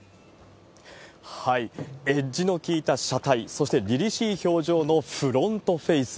エッジの効いた車体、そしてりりしい表情のフロントフェース。